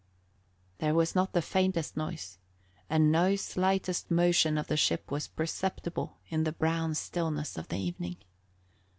There was not the faintest noise, and no slightest motion of the ship was perceptible in the brown stillness of the evening.